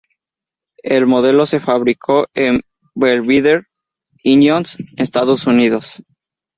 El modelo se fabricó en Belvidere, Illinois, Estados Unidos.